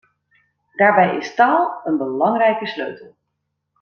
Daarbij is taal een belangrijke sleutel.